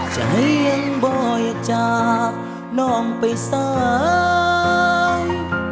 ใจยังบ่อยจากน้องไปสาย